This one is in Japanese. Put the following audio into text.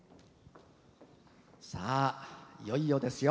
さあいよいよですよ。